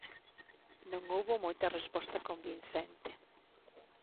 Non houbo moita resposta convincente.